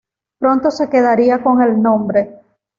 Pronto se quedaría con el nombre.